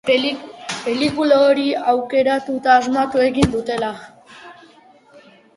Pelikula hori aukeratuta asmatu egin dutela.